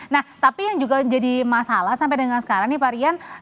nah tapi yang juga jadi masalah sampai dengan sekarang nih pak rian